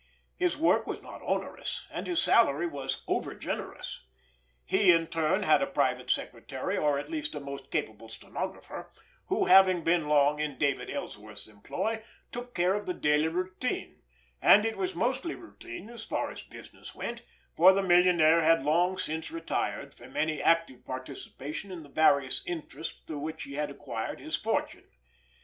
His work was not onerous; and his salary was over generous. He, in turn, had a private secretary, or at least a most capable stenographer, who, having been long in David Ellsworth's employ, took care of the daily routine; and it was mostly routine as far as business went, for the millionaire had long since retired from any active participation in the various interests through which he had acquired his fortune.